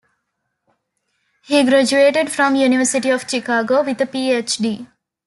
He graduated from University of Chicago, with a PhD.